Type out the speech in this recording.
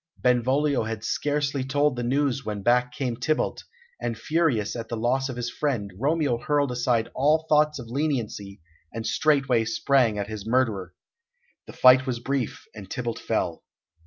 Benvolio had scarcely told the news when back came Tybalt, and, furious at the loss of his friend, Romeo hurled aside all thoughts of leniency, and straightway sprang at his murderer. The fight was brief, and Tybalt fell.